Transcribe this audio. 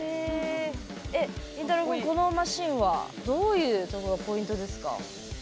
このマシーンはどういうところがポイントですか。